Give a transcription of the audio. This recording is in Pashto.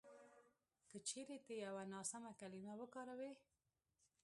که چېرې ته یوه ناسمه کلیمه وکاروې